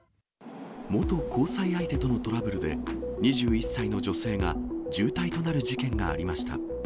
元交際相手とのトラブルで、２１歳の女性が重体となる事件がありました。